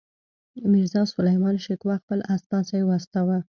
میرزاسلیمان شکوه خپل استازی واستاوه.